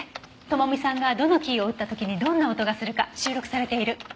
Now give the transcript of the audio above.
智美さんがどのキーを打った時にどんな音がするか収録されている。